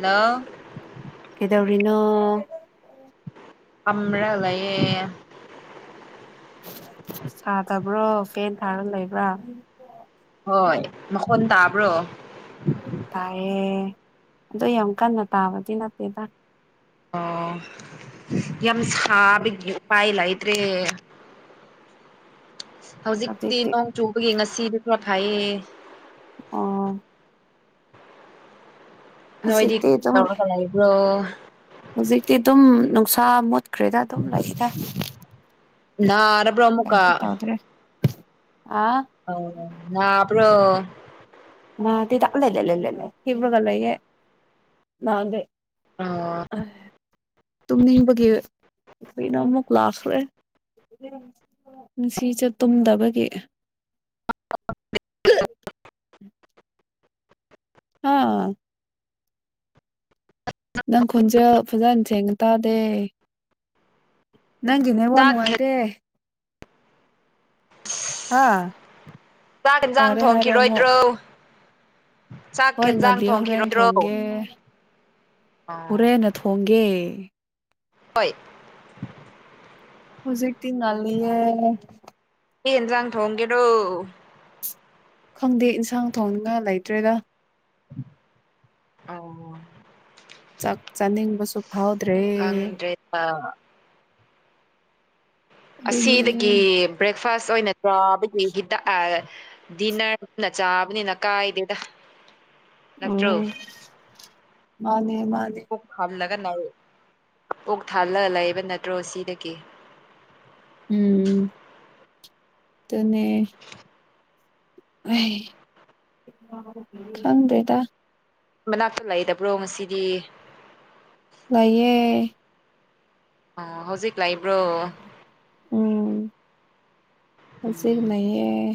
ꯂꯣ ꯀꯩꯗꯧꯔꯤꯅꯣ ꯐꯝꯔꯥꯒ ꯂꯩꯌꯦ ꯁꯈꯔꯥꯕ꯭ꯔꯣ ꯐꯦꯟ ꯊꯥꯔꯒ ꯂꯩꯕ꯭ꯔꯥ ꯍꯣꯏ ꯃꯈꯣꯟ ꯇꯥꯕ꯭ꯔꯣ ꯇꯥꯏꯌꯦ ꯑꯗꯣ ꯌꯥꯝ ꯀꯟꯅ ꯇꯥꯕꯗꯤ ꯅꯠꯇꯦꯗ ꯑꯣ ꯌꯥꯝ ꯁꯥꯕꯒꯤ ꯎꯄꯥꯏ ꯂꯩꯇ꯭ꯔꯦ ꯍꯧꯖꯤꯛꯇꯤ ꯅꯣꯡ ꯆꯨꯕꯥꯒꯤ ꯉꯁꯤꯗꯤ ꯄꯣꯠꯊꯥꯏꯌꯦ ꯑꯣ ꯅꯣꯏꯗꯤ ꯍꯧꯖꯤꯛꯇꯤ ꯑꯗꯨꯝ ꯀꯩꯗꯧꯔꯒ ꯂꯩꯕ꯭ꯔꯣ ꯍꯧꯖꯤꯛꯇꯤ ꯑꯗꯨꯝ ꯅꯨꯡꯁꯥ ꯃꯨꯠꯈ꯭ꯔꯦꯗ ꯑꯗꯨꯝ ꯂꯩꯗ ꯅꯔꯥ [inaudible] ꯀꯩꯁꯨ ꯇꯧꯗ꯭ꯔꯦ ꯑ ꯑꯧ ꯅꯥꯕ꯭ꯔꯣ ꯅꯥꯗꯦꯗ ꯂꯩ ꯂꯩ ꯂꯩ ꯂꯩ ꯂꯩ ꯍꯤꯞꯂꯒ ꯂꯩꯌꯦ ꯅꯥꯗꯦ ꯑꯥ ꯇꯨꯝꯅꯤꯡꯕꯒꯤ ꯀꯩꯅ ꯑꯃꯨꯛ ꯂꯥꯛꯈ꯭ꯔꯦ ꯅꯨꯡꯁꯤ ꯆ ꯇꯨꯝꯗꯕꯒꯤ ꯑ ꯑꯥ ꯈꯣꯟꯖꯦꯜ ꯐꯖꯅ ꯊꯦꯡꯅ ꯇꯥꯗꯦ ꯅꯪꯒꯤꯅꯦꯕꯣꯟ ꯆꯥꯛ ꯅꯨꯡꯉꯥꯏꯇꯦ ꯑꯥ ꯆꯥꯛ ꯌꯦꯟꯁꯥꯡ ꯊꯣꯡꯈꯤꯔꯣꯏꯗ꯭ꯔꯣ ꯍꯣꯏ ꯆꯥꯛꯈꯤꯦꯟꯖꯥꯡ ꯊꯣꯡꯈꯤꯔꯣꯏꯗ꯭ꯔꯣ ꯑꯣ ꯎꯔꯦꯅ ꯊꯣꯡꯒꯦ ꯍꯣꯏ ꯍꯧꯖꯤꯛꯛꯇꯛꯇꯤꯅꯜꯂꯤꯦ ꯑꯦꯥꯡ ꯊꯣꯡꯒꯦꯔꯣ ꯈꯪꯗꯦ ꯏꯟꯁꯥꯡ ꯊꯣꯡꯅꯤꯡꯉꯥꯏ ꯂꯩꯇ꯭ꯔꯦꯔ ꯑ ꯆꯥꯛ ꯆꯥꯅꯤꯡꯕꯁꯨ ꯐꯥꯎꯗ꯭ꯔꯦ ꯈꯪꯗ꯭ꯔꯦꯗ ꯑꯗꯨꯅꯦ ꯑꯁꯤꯗꯒꯤ ꯕ꯭ꯔꯦꯛꯐꯥꯁ ꯑꯣꯏꯅ ꯇ꯭ꯔꯥꯕꯒꯤ ꯍꯤꯗꯥꯛ ꯗꯤꯟꯅꯔꯅ ꯆꯥꯕꯅꯤꯅ ꯀꯥꯏꯗꯦꯗ ꯑꯣ ꯅꯠꯇ꯭ꯔꯣ ꯃꯥꯅꯦ ꯃꯥꯅꯦ ꯀꯛ ꯊꯥꯜꯂꯒ ꯂꯩꯕ ꯅꯠꯇ꯭ꯔꯣ ꯁꯤꯗꯒꯤ ꯎꯝ ꯑꯗꯨꯅꯦ ꯈꯪꯗꯗ ꯃꯅꯥꯛꯇ ꯂꯩꯥꯛꯇꯕ꯭ꯔꯣ ꯉꯁꯤꯗꯤ ꯂꯩꯏꯌꯦ ꯑ ꯍꯧꯖꯤꯛ ꯂꯥꯛꯏꯕ꯭ꯔꯣ ꯎꯝ ꯐꯆꯒꯤ ꯎꯝ ꯂꯩꯌꯦꯦ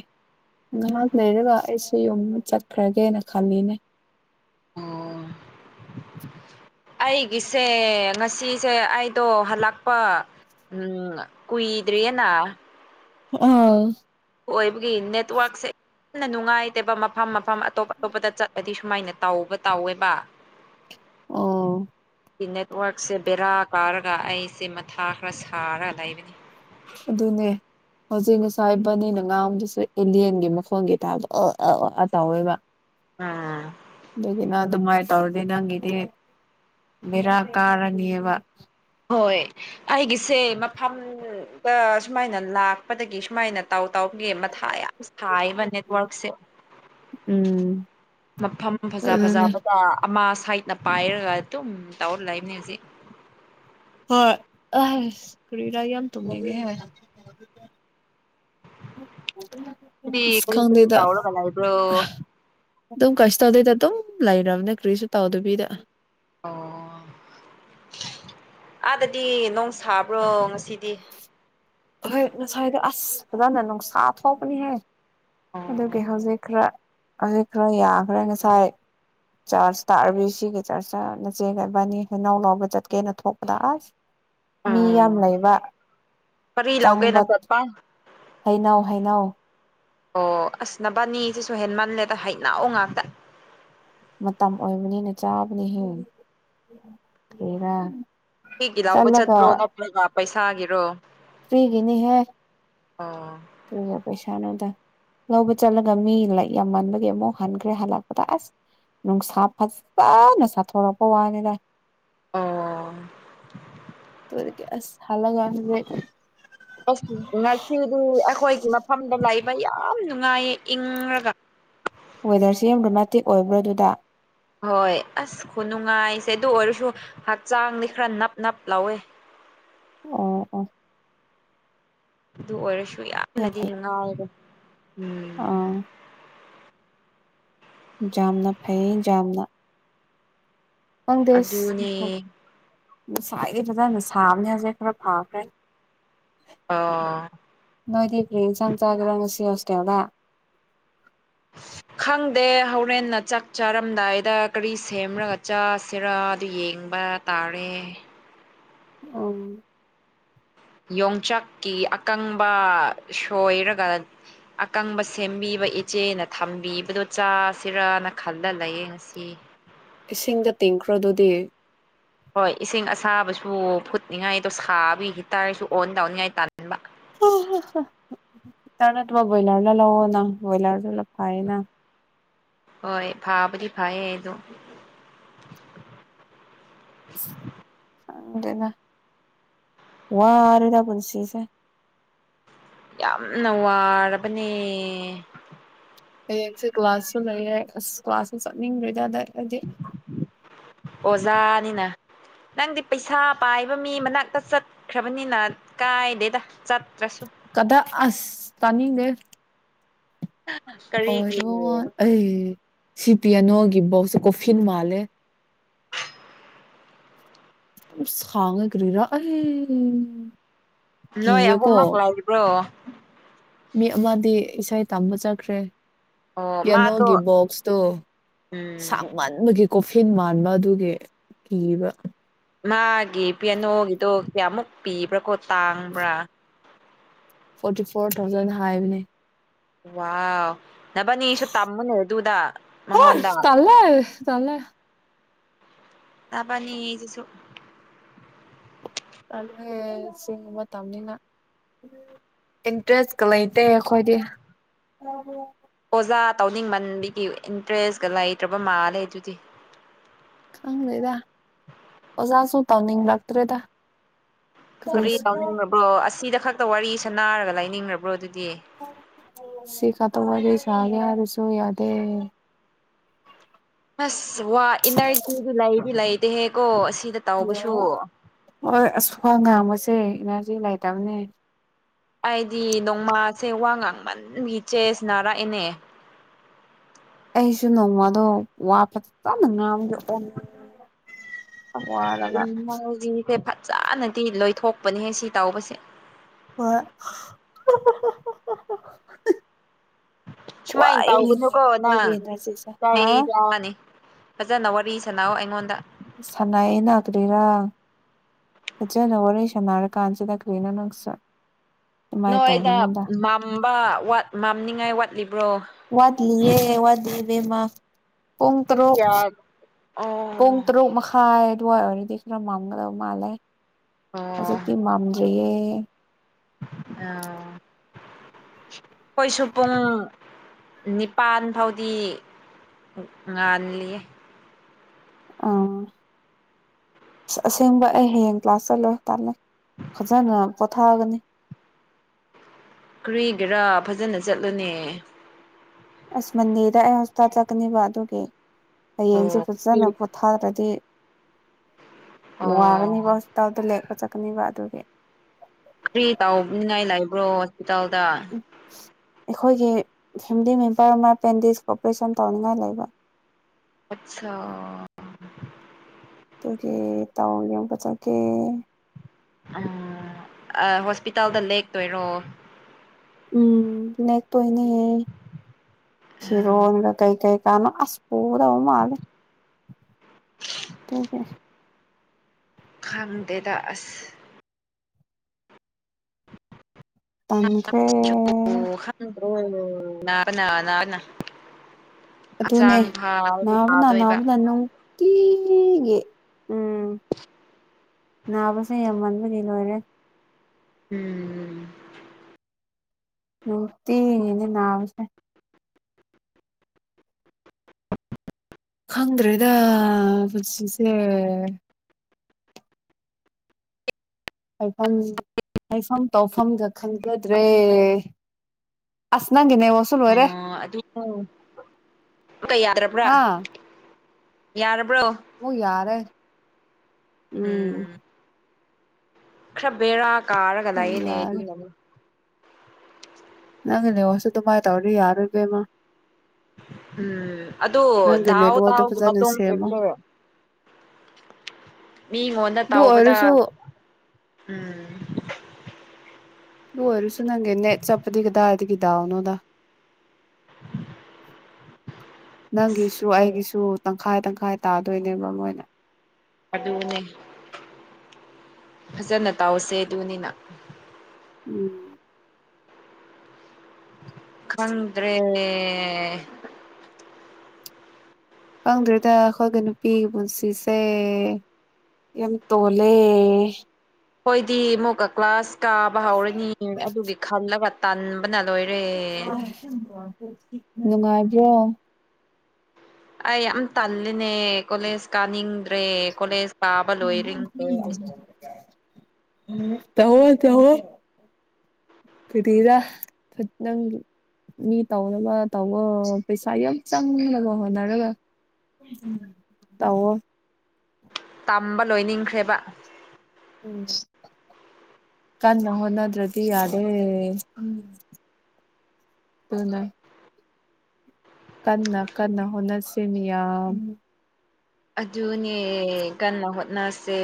ꯉꯥꯏꯍꯥꯛ ꯂꯩꯔꯒ ꯑꯩꯁꯨ ꯌꯨꯝ ꯆꯠꯈ꯭ꯔꯒꯦꯅ ꯈꯜꯂꯤꯅꯦ ꯑꯣ ꯑꯩꯒꯤꯁꯦ ꯉꯁꯤꯁꯦ ꯑꯩꯗꯣ ꯍꯜꯂꯛꯄ ꯎꯝ ꯀꯏꯗ꯭ꯔꯤꯌꯦꯅꯥ ꯑ ꯍꯣꯏꯕꯒꯤ ꯏꯅꯦ ꯇꯨ ꯑꯛꯁ ꯌꯥꯝꯅ ꯅꯨꯡꯉꯥꯏꯇꯦꯕ ꯃꯐꯝ ꯃꯐꯝ ꯑꯇꯣꯞ ꯑꯇꯣꯞꯄꯗ ꯆꯠꯂꯗꯤ ꯁꯨꯃꯥꯏꯅ ꯇꯧꯕ ꯇꯧꯋꯦꯕ ꯑ ꯅꯦꯠꯋꯔꯛꯁꯦ ꯕꯦꯔꯥ ꯀꯥꯔꯒ ꯑꯩꯁꯦ ꯃꯊꯥ ꯈꯔ ꯁꯥꯔꯒ ꯂꯩꯕꯅꯤ ꯑꯗꯨꯅꯦ ꯍꯧꯖꯤꯛ ꯉꯁꯥꯏ ꯕꯅꯦꯅ ꯉꯥꯗꯨꯁꯨ ꯑꯦꯂꯤꯌꯟꯒꯤ ꯃꯈꯣꯟꯒꯤ ꯇꯥꯕ ꯑ ꯑꯥ ꯑꯣ ꯑꯥ ꯇꯧꯋꯦꯕ ꯎꯝ ꯑꯗꯨꯒꯤꯅ ꯑꯗꯨꯃꯥꯏꯅ ꯇꯧꯔꯗꯤ ꯅꯪꯒꯤꯗꯤ ꯕꯦꯔꯥ ꯀꯥꯔꯅꯤꯕ ꯍꯣꯏ ꯑꯩꯒꯤꯁꯦ ꯃꯐꯝꯗ ꯁꯨꯃꯥꯏꯅ ꯂꯥꯛꯄꯗꯒꯤ ꯁꯨꯃꯥꯏꯅ ꯇꯧ ꯇꯧꯒꯦ ꯃꯊꯥ ꯌꯥꯝ ꯁꯥꯏꯕ ꯅꯦꯠꯋꯥꯔꯛꯁꯦ ꯎꯝ ꯃꯐꯝ ꯐꯖ ꯑꯗꯨꯅꯦ ꯐꯖꯕꯗ ꯑꯃ ꯁꯥꯏꯠꯅ ꯄꯥꯏꯔꯒ ꯑꯗꯨꯝ ꯇꯧꯔ ꯂꯩꯏꯕꯅꯦ ꯍꯧꯖꯤꯛ ꯍꯣꯏ ꯑ ꯀꯔꯤꯗꯥ ꯌꯥꯝ ꯇ ꯃ ꯍꯥꯏ ꯗꯤ ꯀꯔꯤ ꯀꯔꯤ ꯁꯀꯥꯎꯗꯗ ꯇꯧꯔꯒ ꯂꯩꯕ꯭ꯔꯣ ꯑꯗꯨꯝ ꯀꯩꯁꯨ ꯇꯧꯗꯣꯏꯗ ꯑꯗꯨꯝ ꯂꯩꯔꯕꯅꯦ ꯀꯔꯤꯁꯨ ꯇꯧꯗꯕꯤꯗ ꯑꯣ ꯑꯥꯗꯗꯤ ꯅꯣꯡ ꯁꯥꯕ꯭ꯔꯣ ꯉꯁꯤꯗꯤ ꯍꯣꯏ ꯉꯁꯥꯏꯗꯣ ꯑꯁ ꯐꯖꯅ ꯅꯨꯡꯁꯥ ꯐꯥꯎꯕꯅꯤ ꯍꯥꯏ ꯑꯥ ꯑꯗꯨꯒꯤ ꯍꯧꯖꯤꯛ ꯈꯔ ꯍꯧꯖꯤꯛ ꯈꯔ ꯌꯥꯈ꯭ꯔꯦ ꯉꯁꯥꯏ ꯆꯔꯆ ꯇꯥꯛꯔꯕꯤ ꯁꯤꯒꯤ ꯆꯔꯆꯇ ꯅꯆꯦꯒꯕꯅꯤ ꯍꯅꯥꯧ ꯂꯧꯕ ꯆꯠꯀꯦꯅ ꯊꯣꯛꯄꯗ ꯑꯁ ꯃꯤ ꯌꯥꯝ ꯂꯩꯕ ꯀꯔꯤ ꯂꯧꯒꯦꯅ ꯆꯥꯡꯕ ꯆꯠꯄ ꯍꯩꯅꯎ ꯍꯩꯅꯎ ꯑꯣ ꯑꯁ ꯅꯕꯥꯅꯤꯁꯤꯁꯨ ꯍꯦꯟꯃꯜꯂꯦꯗ ꯍꯩꯅꯑꯣ ꯉꯥꯛꯇ ꯃꯇꯝ ꯑꯣꯏꯕꯅꯤꯅ ꯆꯥꯕꯅꯤꯍꯦ ꯀꯔ ꯑꯩꯒꯤ ꯂꯥꯎꯕ ꯆꯠꯇꯄ꯭ꯔꯣ ꯅꯠꯇ꯭ꯔꯒ ꯄꯩꯁꯥꯒꯤꯔꯣ ꯐꯔꯤꯒꯤꯅꯤꯍꯦ ꯑꯣ ꯇ ꯄꯩꯁꯥꯅꯣꯗ ꯂꯧꯕ ꯆꯠꯂꯒ ꯃꯤ ꯌꯥꯝꯃꯟꯕꯒꯤ ꯑꯃꯨꯛ ꯍꯟꯈ꯭ꯔꯦ ꯍꯜꯂꯛꯄꯗ ꯑꯁ ꯅꯨꯡꯁꯥ ꯐꯖꯅ ꯁꯥꯊꯣꯔꯛꯄ ꯋꯥꯅꯤꯦꯗ ꯑꯣ ꯑ ꯍꯂꯒꯁꯦ ꯑꯁ ꯉꯁꯤꯗꯤ ꯑꯩꯈꯣꯏꯒꯤ ꯃꯐꯝꯗ ꯂꯩꯕ ꯌꯥꯝ ꯅꯨꯡꯉꯥꯏꯌꯦ ꯏꯪꯉꯒ ꯋꯦꯗꯔꯁꯦ ꯌꯥꯝ ꯔꯣꯃꯦꯟꯇꯤꯛ ꯑꯣꯏꯕ꯭ꯔꯣ ꯑꯗꯨꯗ ꯍꯣꯏ ꯑꯁ ꯈꯨꯅꯨꯡꯉꯥꯏꯁꯦ ꯑꯗꯨ ꯑꯣꯏꯔꯁꯨ ꯍꯛꯆꯥꯡꯗꯤ ꯈꯔ ꯅꯞ ꯅꯞ ꯂꯧꯋꯦ ꯑꯣ ꯑꯣ ꯑꯗꯨ ꯑꯣꯏꯔꯁꯨ ꯌꯥꯝ ꯌꯥꯝꯅꯗꯤ ꯐꯩ ꯅꯨꯡꯉꯥꯏꯔꯦ ꯎꯝ ꯑꯥ ꯌꯥꯝꯅ ꯐꯩ ꯌꯥꯝꯅ ꯑꯪꯗꯦꯁ ꯑꯗꯨꯅꯦ ꯉꯁꯥꯏꯗꯤ ꯐꯖꯅ ꯁꯥꯕꯅꯦ ꯍꯧꯖꯤꯛ ꯈꯔ ꯐꯈ꯭ꯔꯦ ꯑꯥ ꯅꯣꯏꯗꯤ ꯐ꯭ꯔꯤ ꯆꯝꯆꯥꯥꯒꯔꯥꯡꯁꯤ ꯍꯣꯁꯇꯦꯜꯗ [inaudible] ꯈꯪꯗꯦ ꯍꯣꯔꯦꯟꯅ ꯆꯥꯛ ꯆꯥꯔꯝꯗꯥꯏꯗ ꯀꯔꯤ ꯁꯦꯝꯔꯒ ꯆꯥꯁꯤꯔꯥ ꯑꯗꯨ ꯌꯦꯡ ꯕ ꯇꯥꯔꯦ ꯎꯝ ꯌꯣꯡꯆꯥꯛꯀꯤ ꯑꯀꯪꯕ ꯁꯣꯏꯔꯒ ꯑꯀꯪꯕ ꯁꯦꯝꯕꯤꯕ ꯊ ꯏꯆꯦꯅ ꯊꯝꯕꯤꯕꯗꯣ ꯆꯥꯁꯤꯔꯅ ꯈꯜꯂ ꯂꯥꯏꯌꯦꯡꯁꯤ ꯏꯁꯤꯡꯗ ꯇꯤꯡꯈ꯭ꯔꯗꯨꯗꯤ ꯍꯣꯏ ꯏꯁꯤꯡ ꯑꯁꯥꯕꯁꯨ ꯐꯨꯠꯅꯤꯡꯉꯥꯏꯗꯣ ꯁꯥꯕꯤꯈꯤꯇꯥꯔꯁꯨ ꯑꯣꯟ ꯇꯎꯅꯤꯡꯉꯥꯏ ꯇꯥꯍꯟꯕ ꯍ ꯍ ꯍ ꯇꯅ ꯊꯨ ꯭ꯔꯣꯏꯂꯔ ꯂꯑꯣꯅꯥ ꯭ꯔꯣꯣꯏꯂꯔꯁꯨ ꯂ ꯐꯑꯅ ꯍꯣꯏ ꯐꯥꯕꯔꯤ ꯐꯥꯏꯥꯏꯗ [inaudible] ꯗꯅ ꯋꯥꯔꯦꯗ ꯄꯨꯟꯁꯤꯁꯦ ꯌꯥꯝꯅ ꯋꯥꯔꯕꯅꯦ ꯀ ꯀ꯭ꯂꯁꯨ ꯂꯩ ꯑ ꯀ꯭ꯂꯥꯁ ꯆꯔꯤꯗꯥꯗꯖꯤ ꯑꯣꯖꯥꯅꯤꯅ ꯅꯪꯗꯤ ꯄꯩꯁꯥ ꯄꯥꯏꯕ ꯃꯤ ꯃꯅꯥꯛꯇ ꯆꯠꯈ꯭ꯔꯕꯅꯤꯅ ꯀꯥꯏꯗꯦꯗ ꯆꯠꯇ꯭ꯔꯁꯨ ꯀꯗꯥ ꯑꯁ ꯇꯥꯅꯤꯒꯦ ꯀꯔꯤꯒꯤ ꯑꯣꯗꯣ ꯑꯩ ꯁꯤ ꯄꯤꯌꯥꯅꯣꯒꯤ ꯕꯣꯛꯁ ꯀꯣꯐꯤꯟ ꯃꯥꯜꯂꯦ ꯈꯥꯡꯉꯒꯔꯤꯔꯥ ꯑ ꯅꯣꯏ ꯑꯍꯨꯝꯃꯛ ꯂꯥꯛꯕ꯭ꯔꯣ ꯃꯤ ꯑꯃꯗꯤ ꯏꯁꯩ ꯇꯝꯕ ꯆꯠꯈ꯭ꯔꯦ ꯑꯣ ꯃꯥꯗꯣ ꯌꯦꯅꯣꯒꯤ ꯕꯣꯛꯁꯇꯣ ꯎꯝ ꯁꯥꯡꯃꯟꯕꯒꯤ ꯀꯣꯐꯤꯟ ꯃꯥꯟꯕ ꯑꯗꯨꯒꯤ ꯀꯤꯕ ꯃꯥꯒꯤ ꯄꯦꯅꯣꯒꯤꯗꯣ ꯀꯌꯥꯃꯨꯛ ꯄꯤꯕ꯭ꯔꯥꯀꯣ ꯇꯥꯡꯕ꯭ꯔꯥ ꯐꯣꯔꯇꯤ ꯐꯣꯔ ꯊꯥꯎꯖꯟ ꯍꯥꯏꯕꯅꯦ ꯋꯥ ꯅꯚꯅꯤꯁꯨ ꯇꯝꯃꯨꯅꯦ ꯑꯗꯨꯗ ꯃꯪꯉꯣꯟꯗ ꯆꯂ ꯇꯕꯅꯤꯁꯨ ꯑ ꯁꯤꯃ ꯇꯝꯅ ꯗ꯭ꯔꯦꯁꯀ ꯂꯩꯇꯦ ꯑꯩꯈꯣꯏꯗꯤ ꯑꯣꯖꯥ ꯇꯧꯅꯤꯡꯃꯟꯕꯒꯤ ꯏꯟꯇꯔꯦꯁꯀ ꯂꯩꯇ꯭ꯔꯕ ꯃꯥꯜꯂꯦ ꯑꯗꯨꯗꯤ ꯈꯪꯦꯗ ꯑꯣꯖꯥꯁꯨ ꯇꯧꯅꯤꯡꯂꯛꯇ꯭ꯔꯦꯗ ꯀꯔꯤ ꯀꯔꯤꯁꯨ ꯌꯥꯥꯎꯅꯤꯡꯕ꯭ꯔꯣ ꯑꯁꯤꯗ ꯈꯛꯇ ꯋꯥꯔꯤꯁ ꯅꯥꯔꯒ ꯂꯥꯏꯅꯤꯡꯕ꯭ꯔꯣ ꯑꯗꯨꯗꯤ ꯁꯤꯀꯥ ꯇ ꯑꯣꯏꯔ ꯆꯒꯦꯔꯁꯨ ꯌꯥꯗꯦ ꯑꯁ ꯇꯦꯀꯣ ꯍꯜꯂꯣ ꯍꯣꯏ ꯑꯁ ꯈ ꯉꯥꯡꯕꯁꯦ ꯏꯅꯥꯔꯖꯤ ꯂꯩꯇꯕꯅꯦ ꯑꯩꯗꯤ ꯅꯣꯡꯃꯥꯁꯦ ꯋꯥ ꯉꯥꯡꯃꯟꯒꯤ ꯆꯦꯁ ꯔꯛꯏꯦꯅꯦ ꯑꯩꯁꯨ ꯅꯣꯡꯃꯗꯣ ꯋꯥꯄ ꯐꯅ ꯉꯥꯗ ꯎ ꯅꯖꯤꯁꯦ ꯐꯖꯅꯗꯤ ꯂꯣꯏꯊꯣꯛꯄꯅꯦꯍ ꯁꯤ ꯇꯧꯕꯁꯦ ꯍꯣꯏ ꯁꯨꯃꯥꯏꯅ ꯋꯥꯏꯅꯦ ꯇꯧꯒꯅꯨꯀꯣ ꯑꯩꯈꯣꯏꯒꯤ ꯅꯪ ꯏꯅꯔꯖꯤꯁꯦ ꯀ ꯍꯥ ꯆꯅꯤ ꯐꯖꯅ ꯋꯥꯔꯤ ꯁꯥꯟꯅꯥꯑꯣ ꯑꯩꯉꯣꯟꯗ ꯁꯥꯟꯅꯥꯌꯦ ꯅꯥꯗ꯭ꯔꯦꯔꯥ ꯍꯖꯅ ꯋꯥꯔꯤꯔ ꯁꯅꯔ ꯀꯥꯟꯁꯤꯗ ꯀꯅ ꯁꯥ ꯅꯣꯏ ꯑꯩꯗ ꯃꯝꯕꯠ ꯃꯝꯅꯤꯡꯉꯥꯏ ꯋꯥꯠꯂꯤꯕ ꯋꯥꯠꯂꯤꯌꯦ ꯋꯥꯠꯂꯤꯌꯦ ꯏꯕꯦꯝꯃꯥ ꯄꯨꯡ ꯇꯔꯨꯛ ꯑꯣ ꯄꯨꯡ ꯇꯔꯨꯛ ꯃꯈꯥꯏ ꯔꯗꯤ ꯈꯔꯣ ꯃꯥꯃꯗ ꯃꯥꯂ ꯑꯖꯤꯗꯤꯤ ꯃꯥꯝꯗ꯭ꯔꯤꯌꯦ ꯑꯥ ꯑꯩꯈꯣꯏꯁꯨ ꯄꯨꯡ ꯅꯤꯄꯥꯥꯟ ꯐꯥꯎꯗꯤ ꯉꯜꯂꯤꯌꯦ ꯑꯥ ꯑꯁ ꯑꯁꯦꯡꯕ ꯑꯩ ꯍꯌꯦꯡ ꯀ꯭ꯂꯥꯁ ꯆꯠꯂꯣꯏ ꯇꯥꯂ ꯐꯖꯅ ꯄꯣꯊꯥꯒꯅꯤ ꯀꯨꯔꯤꯒꯦꯔꯥ ꯐꯖꯅ ꯆꯠꯂꯨꯅꯦ ꯑꯁꯃꯅꯤꯗ ꯍꯁꯄꯤꯇꯥ ꯇꯛꯅꯤꯕꯗꯧꯒꯦ ꯍꯌꯦꯡꯁꯦ ꯑꯣ ꯐꯖꯅ ꯄꯣꯊꯥ꯭ꯔꯗꯤ ꯑꯣ ꯋꯥꯒꯅꯤꯕ ꯍꯖꯤꯇꯥꯥꯎꯗ ꯂꯦꯛꯀꯣ ꯆꯠꯀꯅꯤꯕ ꯑꯗꯨꯒꯤ ꯐ꯭ꯔꯤ ꯇꯥꯎꯅꯤꯉꯥꯏ ꯂꯩꯕ꯭ꯔꯣ ꯍꯣꯁꯄꯤꯇꯥꯜꯗ ꯎꯝ ꯑꯩꯈꯣꯏꯒꯤ ꯐꯦꯃꯤꯂꯤ ꯃꯦꯝꯕꯔ ꯑꯃ ꯑꯦ ꯄꯦꯟꯗꯤꯁ ꯑꯣꯄꯔꯦꯁꯟ ꯇꯧꯅꯤꯉꯥꯏ ꯂꯩꯕ ꯑꯆꯥ ꯇ ꯇꯥꯎ ꯀꯊ ꯀ ꯎꯝ ꯍꯣꯁꯄꯤꯇꯥꯜꯗ ꯂꯦꯛꯇꯣꯏꯔꯣ ꯎꯝ ꯅꯦꯛꯛꯇꯣꯏꯅꯦꯍ ꯐꯤꯔꯣꯟꯒ ꯀꯩꯀꯩ ꯀꯅꯣ ꯍꯁꯄꯨꯗ ꯃꯥꯗ ꯈꯥꯝꯗꯦꯗ ꯑꯁ ꯇꯪꯈꯦ ꯍ ꯅꯔꯅꯥ ꯅꯅꯥꯔꯅꯥ ꯑꯗꯨꯅꯦ ꯅꯥꯕꯅ ꯐꯥꯗꯣꯏꯕ ꯅꯥꯕꯅ ꯅꯨꯡꯇꯤ ꯁꯤꯒꯤ ꯎꯝ ꯅꯥꯕꯁꯦ ꯌꯥꯝꯃꯟꯕꯗꯤ ꯂꯣꯏꯔꯦ ꯍꯝ ꯅꯨꯅꯨꯡꯇꯤꯅꯦ ꯅꯥꯕꯁꯦ ꯈꯪꯗ꯭ꯔꯦꯗ ꯄꯨꯟꯁꯤꯁꯦ ꯍꯥꯏꯐꯝ ꯍꯥꯏꯐꯝ ꯇꯧꯐꯝꯒ ꯈꯟꯖꯗ꯭ꯔꯦ ꯑꯁ ꯅꯪꯒꯤ ꯅꯦꯠꯋꯥꯛꯁꯦ ꯂꯣꯏꯔꯦ ꯀ ꯌꯥꯗꯔꯕ꯭ꯔꯥ ꯍꯥ ꯌꯥꯔꯕ꯭ꯔꯣ ꯑꯣ ꯌꯔ ꯑꯦ ꯎꯝ ꯈꯕꯦꯔꯥ ꯑꯃꯨꯛ ꯀꯥꯒꯗꯥꯅꯦꯗꯤ ꯌꯥꯔꯦ ꯅꯪ ꯂꯩ ꯋꯥꯁꯨ ꯑꯗꯨ ꯃꯥꯥꯏ ꯇꯧꯔꯤ ꯌꯥꯔꯨꯦ ꯃꯥ ꯎꯝ ꯑꯗꯨ ꯅꯪꯒꯤ ꯙꯥꯎ ꯅꯦꯠꯋꯥꯛꯇꯣ ꯊꯥꯎꯒꯤ ꯐꯖꯅ ꯃꯇꯨꯡ ꯁꯦꯝꯃꯣ ꯃꯤꯉꯣꯟꯗ ꯑꯗꯨ ꯇꯥꯎꯕꯗ ꯑꯣꯏꯔꯁꯨ ꯎꯝ ꯑꯣꯏꯔ ꯁꯅꯒꯦꯅꯦ ꯆꯞꯄꯗꯤ ꯍꯗꯥꯔꯠꯒꯤꯗ ꯑꯣꯣꯗ [unintelligible] ꯅꯪꯒꯤꯁꯨ ꯍꯣꯏ ꯑꯩꯒꯤꯁꯨ ꯇꯪꯈꯥꯏ ꯇꯪꯈꯥꯏ ꯇꯥꯗꯣꯏꯅꯦꯕ ꯃꯣꯏꯅ ꯑꯗꯨꯅꯦ ꯐꯖꯅ ꯇꯥꯎꯁꯦ ꯑꯗꯨꯅꯤꯅ ꯎꯝ ꯈꯗ꯭ꯔꯦ ꯈꯪꯗ꯭ꯔꯔꯤꯦꯗ ꯑꯩꯈꯣꯏꯒ ꯅꯨꯄꯤꯒꯤ ꯄꯨꯟꯁꯤꯁꯦ ꯌꯥꯝ ꯇꯣꯂꯦ ꯍꯣꯏꯗꯤ ꯑꯃꯨꯛꯀ ꯀ꯭ꯂꯥꯁ ꯀꯥꯕ ꯍꯧꯔꯅꯤ ꯑꯗꯨꯒꯤ ꯈꯜꯂꯒ ꯇꯟ ꯕꯅꯥ ꯂꯣꯏꯔꯦ ꯅꯨꯡꯉꯥꯏꯕ꯭ꯔꯣ ꯑꯩ ꯌꯥꯝ ꯇꯜꯂꯤꯅꯦ ꯀꯣꯂꯦꯖ ꯀꯥꯅꯤꯡꯗ꯭ꯔꯦ ꯀꯣꯂꯦꯖ ꯀꯥꯕ ꯂꯣꯏꯔꯤꯡꯈ꯭ꯔꯦ ꯇꯋꯣ ꯆꯣ ꯐꯔꯤꯗ ꯐꯠꯅ ꯃꯤ ꯇꯧꯅꯕ ꯇꯧꯕ ꯄꯩꯁꯥ ꯌꯥꯝ ꯆꯪꯅꯕ ꯍꯣꯠꯅꯔꯒ ꯇꯑꯣ ꯇꯝꯕ ꯂꯣꯏꯅꯤꯡꯈ꯭ꯔꯦꯕ ꯎꯝ ꯀꯥꯟ ꯍꯣꯅ ꯑꯗꯨ꯭ꯔꯗꯤ ꯌꯥꯔꯦ ꯇꯅꯥꯏ ꯀꯟꯅ ꯀꯟꯅ ꯍꯨꯅ ꯁꯤꯃꯤꯌꯥꯝ ꯑꯗꯨꯅꯦ ꯀꯟꯅ ꯍꯣꯠꯅꯁꯦ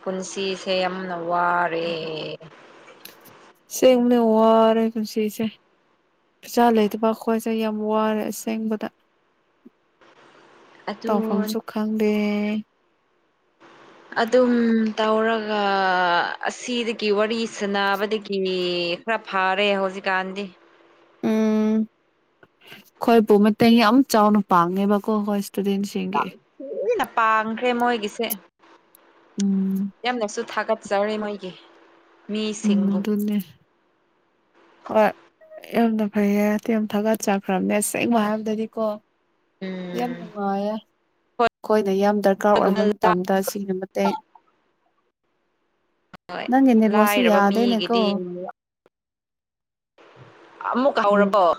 ꯄꯨꯟꯁꯤꯁꯦ ꯌꯥꯝꯅ ꯋꯥꯔꯦ ꯁꯤ ꯎꯅꯦ ꯋꯥꯔ ꯄꯨꯁꯤꯁꯦ ꯄꯤꯆꯥ ꯂꯩꯇꯕ ꯈꯈꯣꯏꯁꯦ ꯌꯥꯝ ꯋꯥꯔꯦ ꯑꯁꯦꯡꯕꯗ [unintelligible] ꯑꯗꯨ ꯇꯧꯐꯝꯁꯨ ꯈꯪꯗꯦ ꯑꯗꯨꯝ ꯇꯧꯔꯒ ꯑꯁꯤꯗꯒꯤ ꯋꯥꯔꯤ ꯁꯅꯕꯗꯒꯤ ꯍ ꯈꯔ ꯐꯥꯔꯦ ꯍꯧꯖꯤꯛꯀꯥꯟꯗꯤ ꯍꯣꯏꯕꯨꯣ ꯃꯇꯦꯡ ꯌꯥꯝ ꯆꯥꯎꯅ ꯄꯥꯡꯉꯦꯕꯀꯣ ꯍꯣꯏ ꯏꯁꯇꯨꯗꯦꯟꯁꯤꯡꯒꯤ ꯌꯥꯝ ꯊꯨꯅ ꯄꯥꯡꯈ꯭ꯔꯦ ꯃꯣꯏꯒꯤꯁꯦ ꯎꯝ ꯌꯥꯝꯅꯁꯨ ꯊꯥꯒꯠꯄ ꯆꯥꯎꯔꯦ ꯃꯣꯏꯒꯤ ꯎꯝ ꯃꯤꯁꯤꯡꯕꯨ ꯑꯗꯟꯅꯦ ꯌꯥꯝꯅ ꯐꯩꯌꯦꯦ ꯌꯥꯝ ꯊꯥꯒꯠꯆꯈ꯭ꯔꯕꯅꯦ ꯑꯁꯦꯡꯕ ꯍꯥꯏꯕꯗꯗꯤꯀꯣ ꯌꯥꯝ ꯎꯝ ꯅꯨꯡꯉꯥꯏꯌꯦꯦ ꯑꯩꯣꯏꯅ ꯌꯥꯝ ꯗꯔꯀꯥꯔ ꯍꯣꯏꯒꯨꯝꯕ ꯑꯣꯏꯕ ꯃꯇꯝꯗ ꯁꯤꯒꯤ ꯃꯇꯦꯡ ꯅꯪ ꯏꯟꯅ ꯄꯁꯤ ꯂꯥꯏꯔꯕ ꯌꯥꯗꯦꯅꯦꯀꯣ ꯃꯤꯒꯤꯗꯤ [unintelligible] ꯎꯝ ꯍꯧꯔꯕꯣ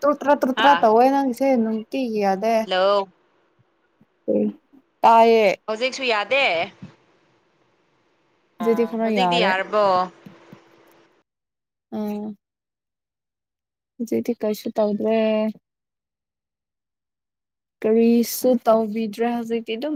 ꯇꯨꯇ꯭ꯔ ꯇꯨꯇ꯭ꯔ ꯇ ꯍꯥ ꯑꯣꯏꯣꯏ ꯅꯁꯦ ꯅ ꯇꯤꯌꯥꯗꯦ ꯍꯜꯂꯣ ꯇꯌꯦ ꯑꯗꯦ ꯑ ꯈꯔ ꯍꯧꯖꯤꯛꯇꯤ ꯌꯥꯔꯦ ꯌꯥꯔꯕꯣ ꯑꯝ ꯤꯗꯤꯤ ꯀꯩꯁꯨ ꯇꯧꯗ꯭ꯔꯦ ꯀꯔꯤꯁꯨ ꯇꯧꯕꯤꯗ꯭ꯔꯦ ꯍꯧꯖꯤꯛꯇꯤ ꯑꯗꯨꯝ